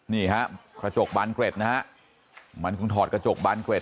นี่ฮะกระจกบานเกร็ดนะฮะมันคงถอดกระจกบานเกร็ด